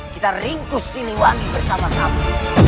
kita ringkus siliwangi bersama sama